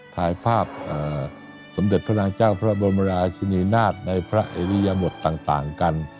ถ่ายภาพสมเด็จพระนางเจ้าพระบรมราชินีนาฏในพระอิริยบทต่างกัน